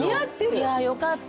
いやよかった。